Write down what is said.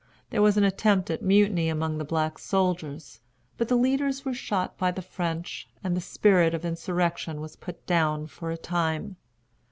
There was an attempt at mutiny among the black soldiers; but the leaders were shot by the French, and the spirit of insurrection was put down for a time.